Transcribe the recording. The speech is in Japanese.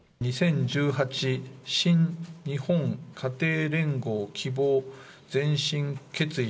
２０１８神日本家庭連合希望前進決意